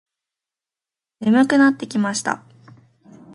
眠くなってきました。